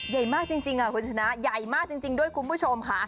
ใหญ่มากจริงคุณชนะใหญ่มากจริงด้วยคุณผู้ชมค่ะ